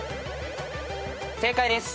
正解です。